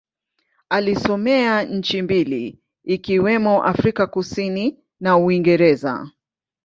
Alisomea nchi mbili ikiwemo Afrika Kusini na Uingereza.